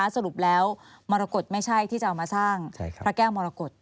สรุปแล้วมรกฏไม่ใช่ที่จะเอามาสร้างพระแก้วมรกฏ